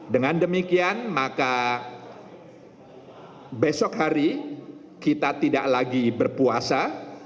dengan demikian maka besok hari kita tidak lagi berpuasa